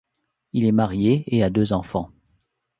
Il est marié et a deux enfants.